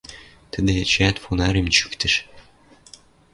Тӹдӹ эчеӓт фонарьым чӱктӹш.